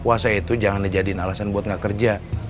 puasa itu jangan jadi nalasan buat enggak kerja